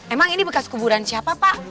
emang ini bekas kuburan siapa pak